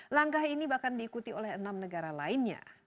langkah ini bahkan diikuti oleh enam negara lainnya